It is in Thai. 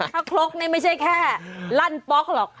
ถ้าครกนี่ไม่ใช่แค่ลั่นป๊อกหรอก